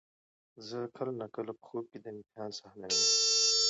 زه کله ناکله په خوب کې د امتحان صحنه وینم.